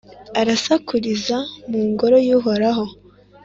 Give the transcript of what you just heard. arasakuriza mu Ngoro y’Uhoraho